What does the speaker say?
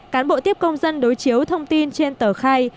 cán bộ tiếp công dân đối chiếu thông tin trên tờ khai